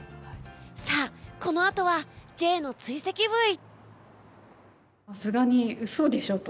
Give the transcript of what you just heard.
さあ、このあとはＪの追跡ブイ！